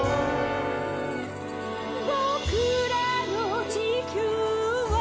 「ぼくらの地球は」